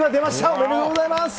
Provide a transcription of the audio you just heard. おめでとうございます！